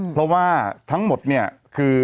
เพราะว่าทั้งหมดคือ